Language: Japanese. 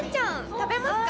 食べますか？